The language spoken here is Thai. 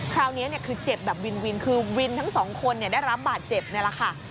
คราวนี้คือเจ็บแบบวินวินคือวินทั้งสองคนได้รับบาดเจ็บนี่แหละค่ะ